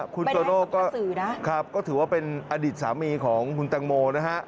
คุณโตโน่ก็ถือว่าเป็นอดิตสามีของคุณแตงโมนะครับ